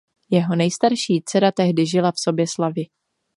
Jeho nejstarší dcera tehdy žila v Soběslavi.